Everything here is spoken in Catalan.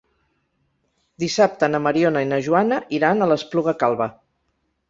Dissabte na Mariona i na Joana iran a l'Espluga Calba.